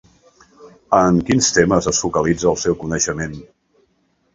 En quins temes es focalitza el seu coneixement?